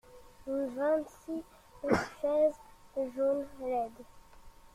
Vingt-six chaises jaunes laides.